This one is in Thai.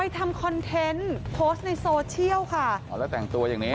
ไปทำคอนเทนต์ในสวทชีลค่ะอ๋อแล้วแต่งตัวอย่างนี้